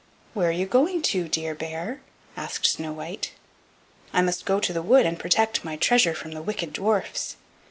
"Where are you going to, dear bear?" asked Snow white. "I must go to the wood and protect my treasure from the wicked dwarfs.